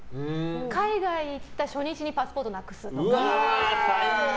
海外行った初日にパスポートなくすとか。